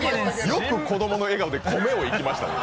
よく子供の笑顔で米、いけましたね。